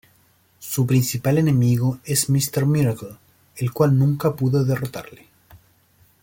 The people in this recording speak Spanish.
Su principal enemigo es Mister Miracle, el cual nunca pudo derrotarle.